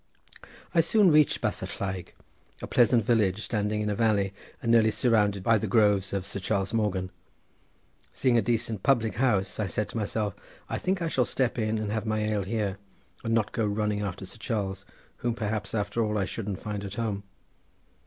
I soon reached Basallaig, a pleasant village standing in a valley and nearly surrounded by the groves of Sir Charles Morgan. Seeing a decent public house I said to myself, "I think I shall step in and have my ale here, and not go running after Sir Charles, whom perhaps after all I shouldn't find at home."